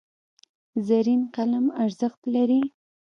زرین قلم ارزښت لري.